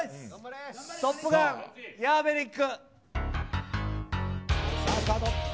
トップガンヤーベリック。